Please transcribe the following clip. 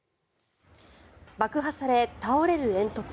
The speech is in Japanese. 爆破され、倒れる煙突。